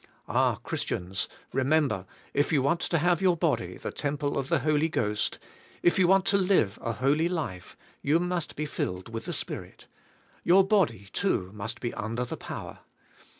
Ah, Christians, remember if you want to have your body the temple of the Holy Ghost, if you v/ant to live a holy life, you must be filled with the Spirit; your body, too, must be under the power.